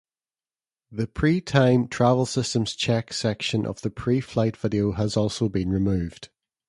The pre-time travel systems check section of the pre-flight video has also been removed.